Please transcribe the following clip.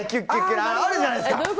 あるじゃないですか。